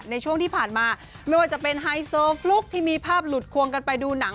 ในช่วงที่ผ่านมาไม่ว่าจะเป็นไฮโซฟลุ๊กที่มีภาพหลุดควงกันไปดูหนัง